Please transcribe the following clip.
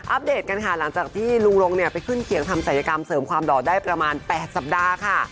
เดตกันค่ะหลังจากที่ลุงลงเนี่ยไปขึ้นเขียงทำศัยกรรมเสริมความหล่อได้ประมาณ๘สัปดาห์ค่ะ